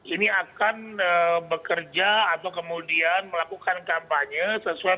ini akan bekerja atau kemudian melakukan kampanye sesuai pkpu tiga belas